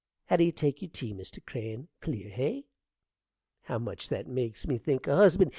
How do you take your tea, Mr. Crane? clear, hey? How much that makes me think o' husband!